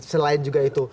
selain juga itu